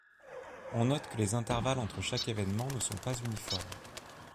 On note que les intervalles entre chaque évènement ne sont pas uniformes.